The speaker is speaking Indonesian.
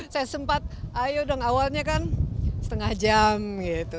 saya sempat ayo dong awalnya kan setengah jam gitu